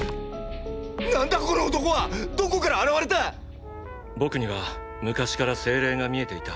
なんだこの男は⁉どこから現れた⁉僕には昔から精霊が見えていた。